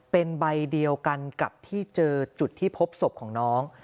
เป็นใบเดียวกันกับที่เจอจุดที่พบศพของน้อง